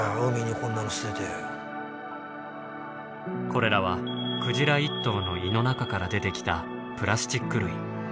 これらはクジラ一頭の胃の中から出てきたプラスチック類。